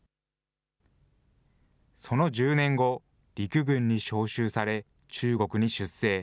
その１０年後、陸軍に召集され、中国に出征。